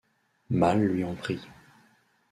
Mal lui en prit.